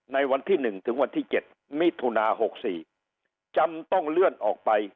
ในวันที่หนึ่งถึงวันที่เจ็ดมิถุนาหกสี่จำต้องเลื่อนออกไป